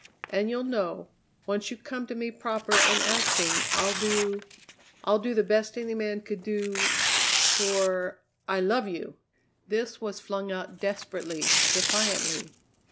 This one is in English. And you'll know, once you come to me, proper and asking, I'll do I'll do the best any man could do for I love you!" This was flung out desperately, defiantly.